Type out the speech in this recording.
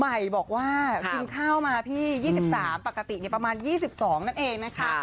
ใหม่บอกว่ากินข้าวมาพี่๒๓ปกติประมาณ๒๒นั่นเองนะคะ